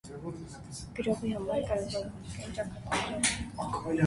Գրողի համար կարևորը մարդկային ճակատագրերն են։